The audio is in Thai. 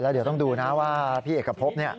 เดี๋ยวต้องดูนะว่าพี่เอกพบ